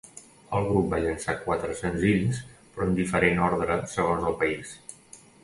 El grup va llançar quatre senzills però en diferent ordre segons el país.